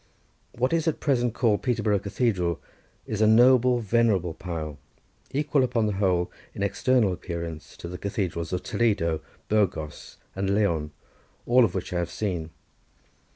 What is at present called Peterborough Cathedral is a noble venerable pile, equal upon the whole in external appearance to the cathedrals of Toledo, Burgos, and Leon, all of which I have seen.